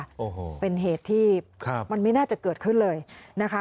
โอ้โหเป็นเหตุที่ครับมันไม่น่าจะเกิดขึ้นเลยนะคะ